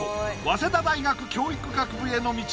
早稲田大学教育学部への道